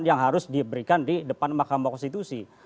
yang harus diberikan di depan mahkamah konstitusi